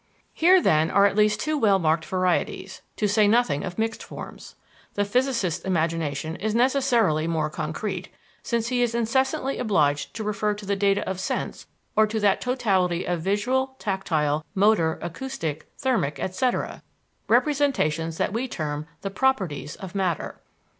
Here, then, are at least two well marked varieties, to say nothing of mixed forms. The physicist's imagination is necessarily more concrete; since he is incessantly obliged to refer to the data of sense or to that totality of visual, tactile, motor, acoustic, thermic, etc., representations that we term the "properties of matter."